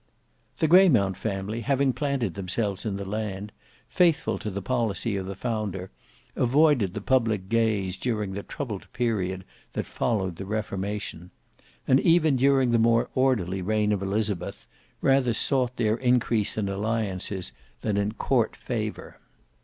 The Greymount family having planted themselves in the land, faithful to the policy of the founder, avoided the public gaze during the troubled period that followed the reformation; and even during the more orderly reign of Elizabeth, rather sought their increase in alliances than in court favour.